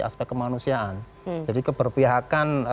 aspek kemanusiaan jadi keberpihakan